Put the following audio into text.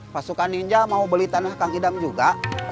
pasukan ninja mau beli tanah kang idam juga